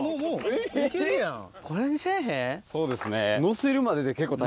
そうですね。